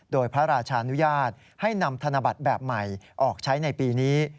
โดยพระราชานุญาตให้นำธนบัตรแบบใหม่ออกใช้ในปีนี้